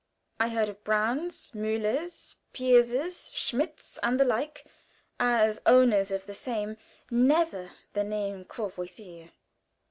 I heard of Brauns, Müllers, Piepers, Schmidts, and the like, as owners of the same never the name Courvoisier.